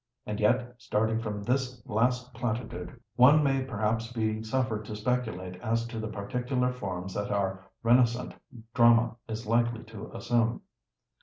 And yet, starting from this last platitude, one may perhaps be suffered to speculate as to the particular forms that our renascent drama is likely to assume.